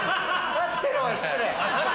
立ってろは失礼！